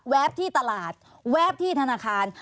ที่ตลาดแวบที่ธนาคาร